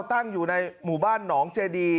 ตั้งอยู่ในหมู่บ้านหนองเจดี